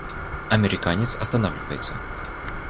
Американец останавливается.